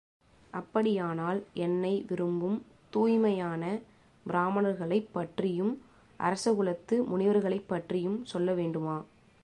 அப்படியானால் என்னை விரும்பும் தூய்மையான பிராமணர்களைப் பற்றியும் அரசகுலத்து முனிவர்களைப் பற்றியும் சொல்ல வேண்டுமா?